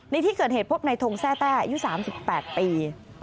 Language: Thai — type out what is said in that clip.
ในที่เกิดเหตุพบในทงแร่แต้อายุ๓๘ปี